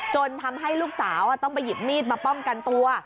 จนทำให้ลูกสาวต้องไปหยิบมีดมาป้องกันตัว